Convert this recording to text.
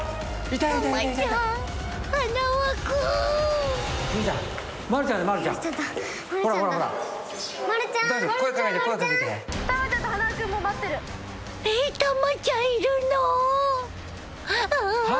たまちゃんいるの？